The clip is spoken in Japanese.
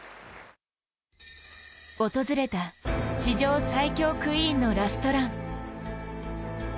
訪れた史上最強クイーンのラストラン。